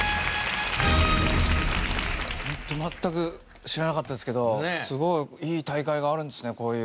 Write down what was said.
ホント全く知らなかったですけどすごいいい大会があるんですねこういう。